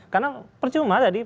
karena percuma tadi